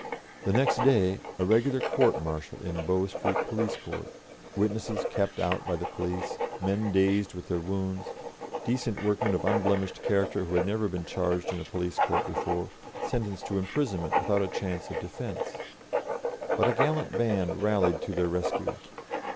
The next day a regular court martial in Bow Street Police Court, witnesses kept out by the police, men dazed with their wounds, decent workmen of unblemished character who had never been charged in a police court before, sentenced to imprisonment without chance of defence. But a gallant band rallied to their rescue.